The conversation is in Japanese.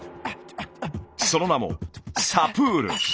その名もサプール。